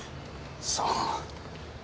さあ。